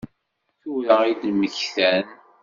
Tura i d-mmektan?